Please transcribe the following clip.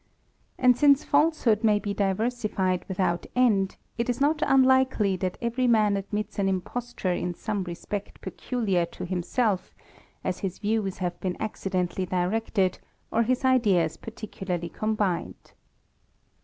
And since falsehood may be diversified without end, it is not unlikely that every man admits an imposture in some respect peculiar to himself, as his views have been iccidently directed, or his ideas particularly combined.